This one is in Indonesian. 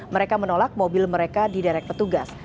mereka menolak mobil mereka di derek petugas